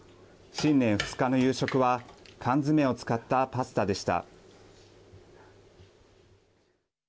新年２日の夕食は缶詰を使ったパスタでした。